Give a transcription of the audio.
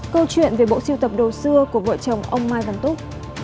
câu chuyện về bộ siêu tập đồ xưa của vợ chồng ông mai văn túc